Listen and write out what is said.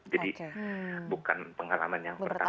jadi bukan pengalaman yang pertama